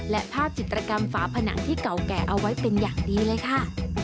และภาพจิตรกรรมฝาผนังที่เก่าแก่เอาไว้เป็นอย่างดีเลยค่ะ